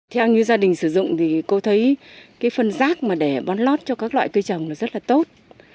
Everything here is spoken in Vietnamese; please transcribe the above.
theo như gia đình sử dụng thì cô thấy cái phân rác mà để bón lót cho các loại cây trồng là rất là tốt